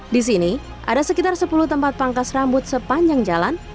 di sini ada sekitar sepuluh tempat pangkas rambut sepanjang jalan